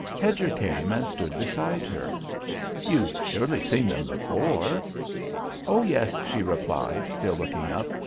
Hedger came and stood beside her. "You've surely seen them before?" "Oh, yes," she replied, still looking up.